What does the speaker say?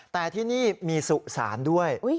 แต่ที่นี่มีสุสานด้วย